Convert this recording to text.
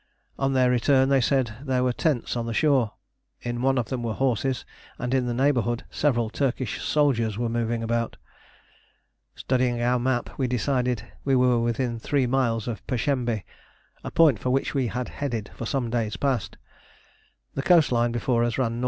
On their return they said there were tents on the shore. In one of them were horses, and in the neighbourhood several Turkish soldiers were moving about. Studying our map, we decided we were within three miles of Pershembé, a point for which we had headed for some days past. The coast line before us ran N.E.